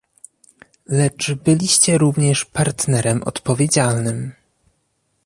Lecz byliście również partnerem odpowiedzialnym